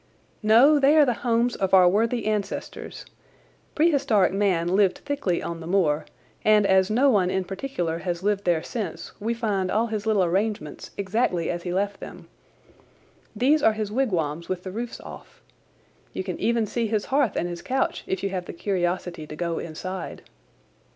"No, they are the homes of our worthy ancestors. Prehistoric man lived thickly on the moor, and as no one in particular has lived there since, we find all his little arrangements exactly as he left them. These are his wigwams with the roofs off. You can even see his hearth and his couch if you have the curiosity to go inside.